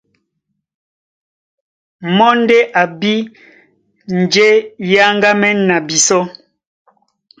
Mɔ́ ndé a bí njé é áŋgámɛ́n na bisɔ́.